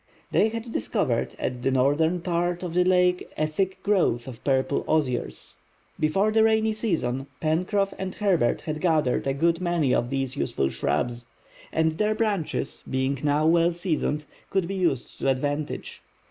They had discovered at the northern part of the lake a thick growth of purple osiers. Before the rainy season, Pencroff and Herbert had gathered a good many of these useful shrubs; and their branches, being now well seasoned, could be used to advantage.